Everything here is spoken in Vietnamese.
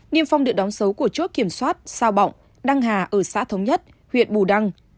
niêm phong được đóng dấu của chốt kiểm soát sao bọng đăng hà ở xã thống nhất huyện bù đăng